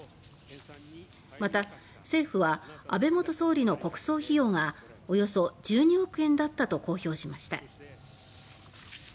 また、政府は安倍元総理の国葬費用がおよそ１２億円だったと公表しました。